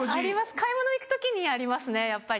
買い物行く時にありますねやっぱり。